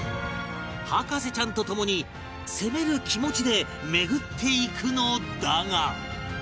博士ちゃんと共に攻める気持ちで巡っていくのだが